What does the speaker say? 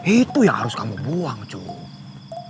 itu yang harus kamu buang cuma